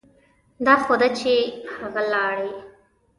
دا خو ده چې هغه لاړې.